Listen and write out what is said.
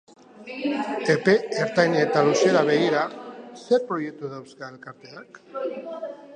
Epe ertain eta luzera begira, zer proiektu dauzka elkarteak?